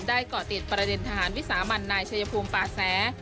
เกาะติดประเด็นทหารวิสามันนายชายภูมิป่าแส